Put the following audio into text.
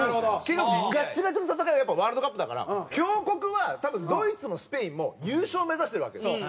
けどガッチガチの戦いはやっぱりワールドカップだから強国は多分ドイツもスペインも優勝目指してるわけですよ。